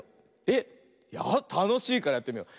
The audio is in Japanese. えったのしいからやってみよう。